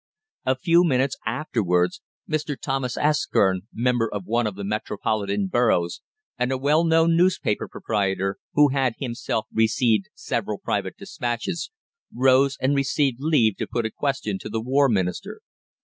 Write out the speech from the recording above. A few minutes afterwards Mr. Thomas Askern, member of one of the Metropolitan boroughs, and a well known newspaper proprietor, who had himself received several private despatches, rose and received leave to put a question to the War Minister.